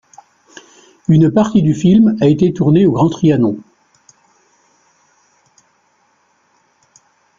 Une partie du film a été tournée au Grand Trianon.